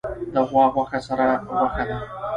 د غوا غوښه سره غوښه ده